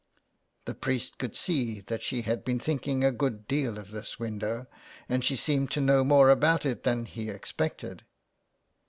The priest could see that she had been thinking a good deal of this window, and she seemed to know more about it than he expected.